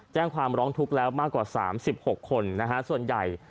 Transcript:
แจ้งความร้องทุกข์แล้วมากกว่า๓๖คนนะฮะส่วนใหญ่